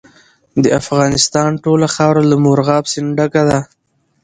د افغانستان ټوله خاوره له مورغاب سیند ډکه ده.